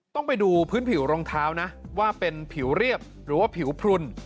ต้องไปดูพื้นผิวรองเท้านะว่าเป็นผิวเรียบหรือว่าผิวพลุน